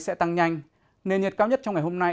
sẽ tăng nhanh nền nhiệt cao nhất trong ngày hôm nay